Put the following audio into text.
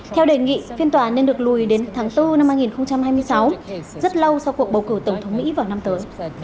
theo đề nghị phiên tòa nên được lùi đến tháng bốn năm hai nghìn hai mươi sáu rất lâu sau cuộc bầu cử tổng thống mỹ vào năm tới